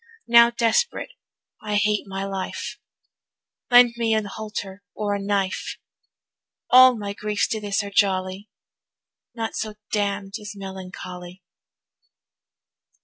Now desperate I hate my life, Lend me a halter or a knife; All my griefs to this are jolly, Naught so damn'd as melancholy.